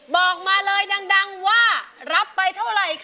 บอกมาเลยดังว่ารับไปเท่าไหร่ค่ะ